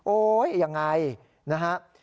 โอ๊ยยังไงนะฮะ